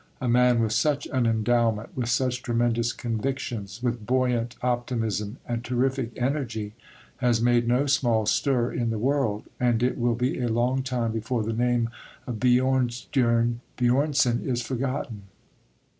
A man with such an endowment, with such tremendous convictions, with buoyant optimism and terrific energy, has made no small stir in the world, and it will be a long time before the name of Björnstjerne Björnson is forgotten.